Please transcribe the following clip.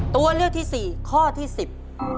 ตัวเลือกที่สี่ข้อที่สิบ